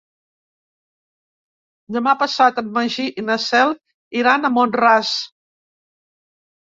Demà passat en Magí i na Cel iran a Mont-ras.